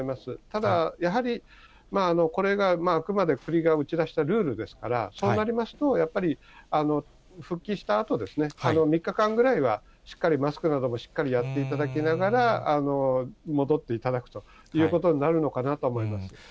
ただ、やはりこれがあくまで国が打ち出したルールですから、そうなりますと、やっぱり、復帰したあとですね、３日間ぐらいはしっかりマスクなどもしっかりやっていただきながら、戻っていただくということになるのかなと思います。